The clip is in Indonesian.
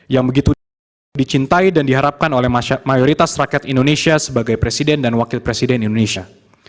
yang begitu dicintai dan diharapkan oleh mayoritas rakyat indonesia sebagai presiden dan wakil presiden indonesia